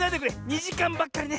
２じかんばっかりね。